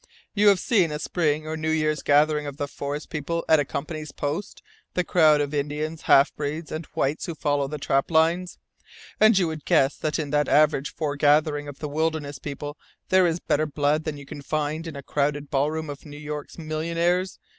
"You have seen a spring or New Year's gathering of the forest people at a Company's post the crowd of Indians, half breeds, and whites who follow the trap lines? And would you guess that in that average foregathering of the wilderness people there is better blood than you could find in a crowded ballroom of New York's millionaires?